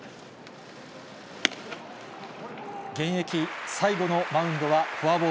現役最後のマウンドはフォアボー